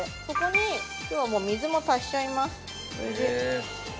ここに今日はもう水も足しちゃいます。